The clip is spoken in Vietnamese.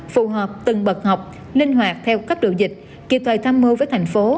phù hợp từng bậc học linh hoạt theo cấp độ dịch kịp thời tham mưu với thành phố